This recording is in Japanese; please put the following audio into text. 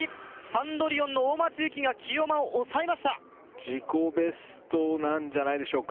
サンドリヨンの大松由季が清山を抑えました自己ベストなんじゃないでしょうか